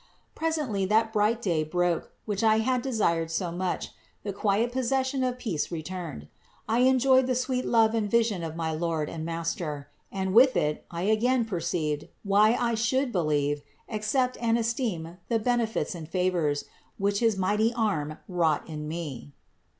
12. Presently that bright day broke, which I had de sired so much; the quiet possession of peace returned; I enjoyed the sweet love and vision of my Lord and Master, and with it I again perceived, why I should believe, accept and esteem the benefits and favors, which his mighty arm wrought in me.